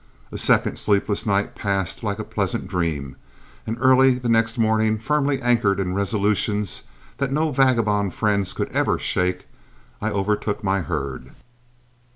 A second sleepless night passed like a pleasant dream, and early the next morning, firmly anchored in resolutions that no vagabond friends could ever shake, I overtook my herd.